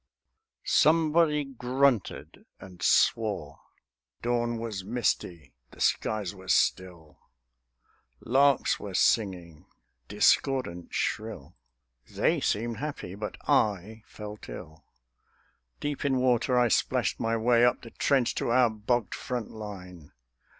Somebody grunted and swore. Dawn was misty; the skies were still; Larks were singing, discordant, shrill; They seemed happy; but I felt ill. Deep in water I splashed my way Up the trench to our bogged front line.